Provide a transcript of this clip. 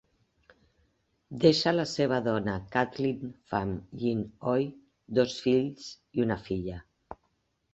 Deixa la seva dona Kathleen Fam Yin Oi, dos fills i una filla.